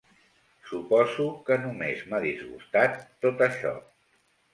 Suposo que només m'ha disgustat tot això.